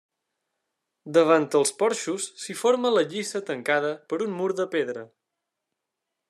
Davant els porxos s'hi forma la lliça tancada per un mur de pedra.